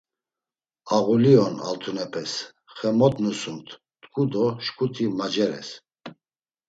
Ağuli on, altunepes xe mot nusumt tku do şǩuti maceres.